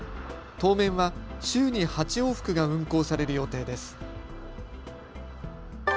当面は週に８往復が運航される予定です。